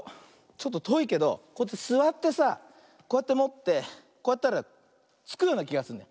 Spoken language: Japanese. ちょっととおいけどこうやってすわってさこうやってもってこうやったらつくようなきがするの。